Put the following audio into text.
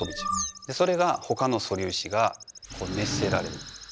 それがほかの素粒子が熱せられる。